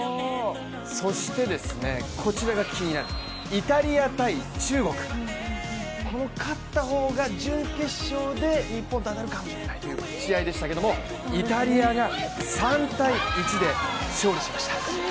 そして、こちらが気になるイタリア×中国、この勝った方が準決勝で日本と当たるかもしれないという試合でしたけれども、イタリアが３−１で勝利しました。